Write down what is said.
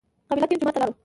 قبله تین جومات ته لاړو.